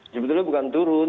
sebetulnya bukan turun